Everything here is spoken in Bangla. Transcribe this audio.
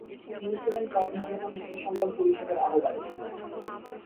তিনি ছিলেন পাবনা জেলা মুক্তি সংগ্রাম পরিষদের আহবায়ক।